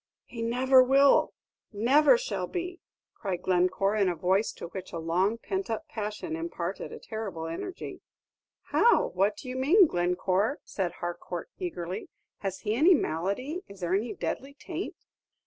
"He never will never shall be," cried Glencore, in a voice to which a long pent up passion imparted a terrible energy. "How! what do you mean, Glencore?" said Harcourt, eagerly. "Has he any malady; is there any deadly taint?"